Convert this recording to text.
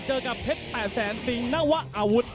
เจอกับเพชร๘แสนสิงนวะอาวุธ